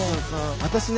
私ね